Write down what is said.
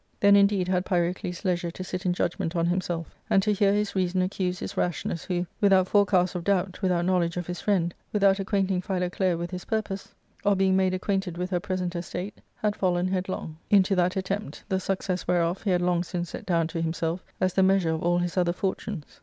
Then, indeed, had Pyrocles leisure to sit in judgment on himself, and to hear his reason accuse his rashness, who, without forecast of doubt, without knowledge of his friend, without acquainting Philoclea with his purpose, or being made acquainted with her present estate, had fallen headlong, 412 ARCADIAi Sdok III. into that attempt, the success whereof he had long since set down to himself as the measure of all his other fortunes.